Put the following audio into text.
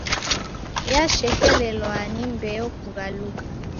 Yashekerelwa ni mbeo kughaluka.